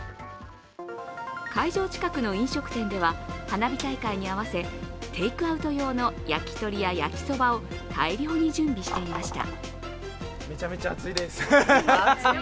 会場近くの飲食店では、花火大会に合わせテイクアウト用の焼き鳥や焼きそばを大量に準備していました。